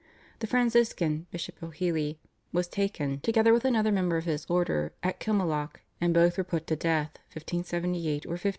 The Franciscan, Bishop O'Hely, was taken, together with another member of his order, at Kilmallock, and both were put to death (1578 or 1579).